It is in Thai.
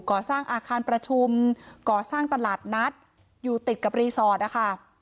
ก่อสร้างอาคารประชุมก่อสร้างตลาดนัดอยู่ติดกับรีสอร์ทนะคะ